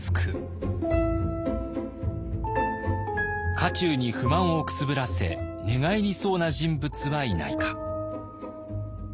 家中に不満をくすぶらせ寝返りそうな人物はいないか。